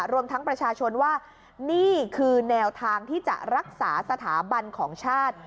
รวมทั้งประชาชนว่านี่คือแนวทางที่จะรักษาสถาบันของชาติ